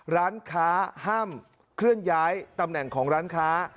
ร้านค้าห้ามเคลื่อนย้ายตำแหน่งของร้านค้า